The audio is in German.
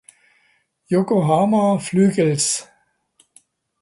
Yokohama Flügels